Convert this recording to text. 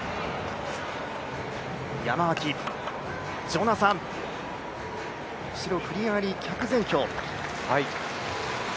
ヤマワキ、ジョナサン、後ろ振り上がり脚前挙。